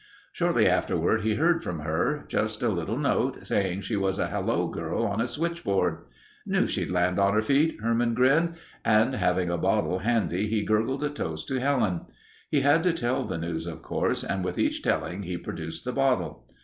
Shortly afterward he heard from her—just a little note saying she was a hello girl on a switchboard. "Knew she'd land on her feet," Herman grinned, and having a bottle handy he gurgled a toast to Helen. He had to tell the news of course and with each telling he produced the bottle.